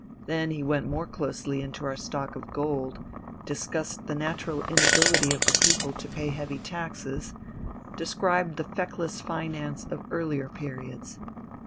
Then he went more closely into our stock of gold, discussed the natural inability of the people to pay heavy taxes, described the reckless finance of earlier periods.